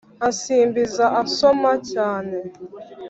ansimbiza ansoma cyane